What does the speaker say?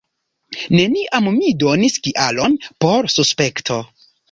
Neniam mi donis kialon por suspekto.